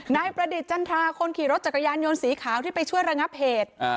นายประดิษฐจันทราคนขี่รถจักรยานยนต์สีขาวที่ไปช่วยระงับเหตุ